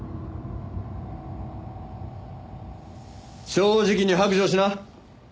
正直に白状しな。